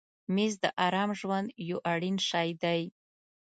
مېز د آرام ژوند یو اړین شی دی.